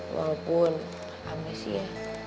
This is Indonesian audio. walaupun amat sih ya